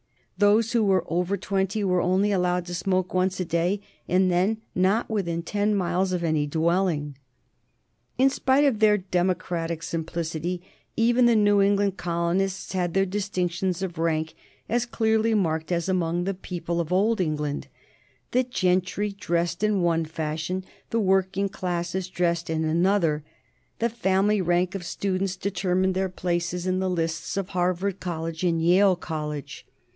Those who were over twenty were only allowed to smoke once a day, and then not within ten miles of any dwelling. [Sidenote: 1765 American colonial customs] In spite of their democratic simplicity, even the New England colonists had their distinctions of rank as clearly marked as among the people of old England. The gentry dressed in one fashion; the working classes dressed in another. The family rank of students determined their places in the lists of Harvard College and Yale College.